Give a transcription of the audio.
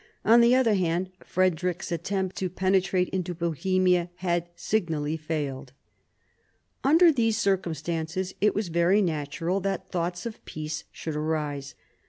On the other hand, Frederick's attempt to penetrate into Bohemia had signally failed. Under these circumstances, it was very natural that thoughts of peace should arise.